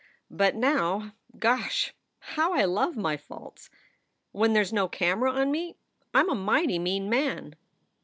But now gosh! how I love my faults! When there s no camera on me I m a mighty mean man."